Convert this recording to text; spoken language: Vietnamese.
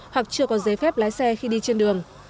hoặc chưa có giấy phép lái xe khi đi trên đường